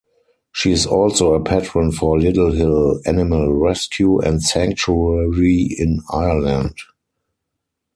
She is also a patron for Littlehill Animal Rescue and Sanctuary in Ireland.